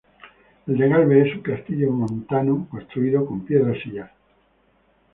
El de Galve es un castillo montano construido con piedra sillar.